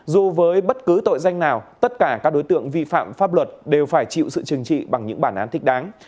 dù với bất cứ tội danh nào tất cả các đối tượng vi phạm pháp luật đều phải chịu sự chừng trị bằng những bản án thích đáng